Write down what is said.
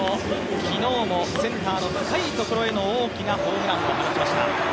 昨日もセンターの深いところへの大きなホームランを放ちました。